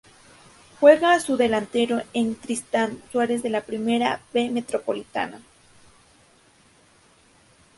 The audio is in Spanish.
Juega de delantero en Tristan Suarez de la Primera B Metropolitana.